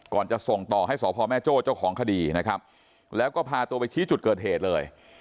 จะส่งต่อให้สพแม่โจ้เจ้าของคดีนะครับแล้วก็พาตัวไปชี้จุดเกิดเหตุเลย